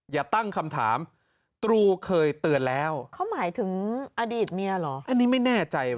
อย่าตั้งคำถามตรูเคยเตือนแล้วเขาหมายถึงอดีตเมียเหรออันนี้ไม่แน่ใจ